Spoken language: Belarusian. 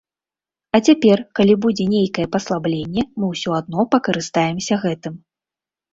А цяпер, калі будзе нейкае паслабленне, мы ўсё адно пакарыстаемся гэтым.